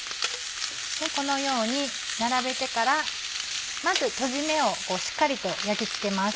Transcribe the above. このように並べてからまずとじ目をしっかりと焼き付けます。